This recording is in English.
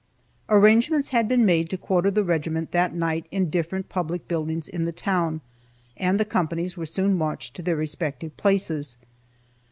Arrangements had been made to quarter the regiment that night in different public buildings in the town, and the companies were soon marched to their respective places.